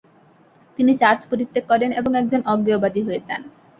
তিনি চার্চ পরিত্যাগ করেন এবং একজন অজ্ঞেয়বাদী হয়ে যান।